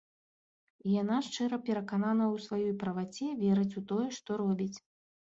І яна шчыра перакананая ў сваёй праваце, верыць у тое, што робіць.